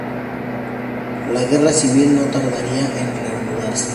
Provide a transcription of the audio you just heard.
La guerra civil no tardaría en reanudarse.